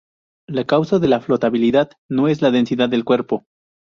La causa de la flotabilidad no es la densidad del cuerpo.